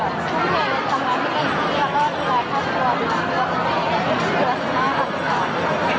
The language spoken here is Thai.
ก็เกิดอยากกินกับภาพศาสตร์แล้วก็อยากกินของมีความชอบชีวิต